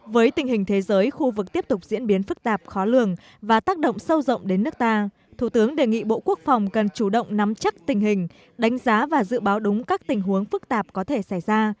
với tình hình thế giới khu vực tiếp tục diễn biến phức tạp khó lường và tác động sâu rộng đến nước ta thủ tướng đề nghị bộ quốc phòng cần chủ động nắm chắc tình hình đánh giá và dự báo đúng các tình huống phức tạp có thể xảy ra